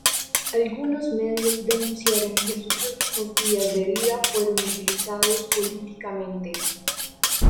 Algunos medios denunciaron que sus últimos días de vida fueron utilizados políticamente.